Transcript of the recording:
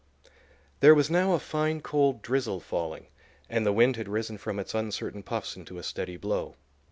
There was now a fine, cold drizzle falling, and the wind had risen from its uncertain puffs into a steady blow.